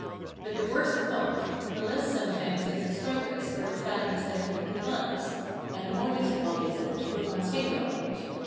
But the worse the thought, the less sometimes does it strike us where its badness definitely hes, and the more difi&cult is it to put one's finger on it.